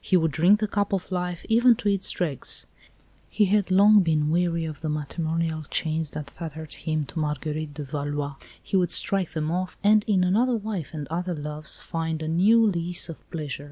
He would drink the cup of life, even to its dregs. He had long been weary of the matrimonial chains that fettered him to Marguerite of Valois. He would strike them off, and in another wife and other loves find a new lease of pleasure.